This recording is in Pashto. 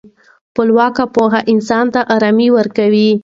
خپلواکه پوهه انسان ته ارامي ورکوي.